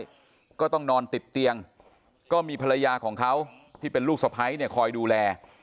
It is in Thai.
ก็ต้องนอนติดเตียงก็มีภรรยาของเขาที่เป็นลูกสะพ้ายเนี่ยคอยดูแล